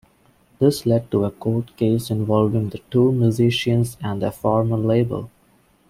This led to a court case involving the two musicians and their former label.